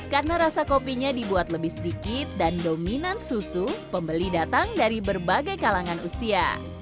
karena rasa kopinya dibuat lebih sedikit dan dominan susu pembeli datang dari berbagai kalangan usia